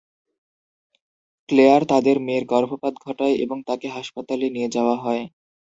Claire তাদের মেয়ের গর্ভপাত ঘটায় এবং তাকে হাসপাতালে নিয়ে যাওয়া হয়।